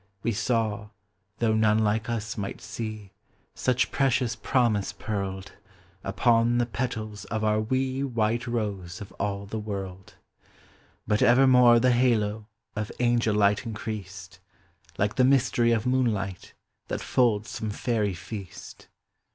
We saw— though none like us might see — Such precious promise pearled Upon the petals of our wee White Hose of all the world. J Jut evermore the halo Of angel light increased. Like the mystery of moonlight That folds some fairy feast.